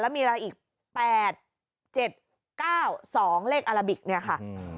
มีอีก๘๗๙๒เลขอาราบิกคุณผู้ชมมอง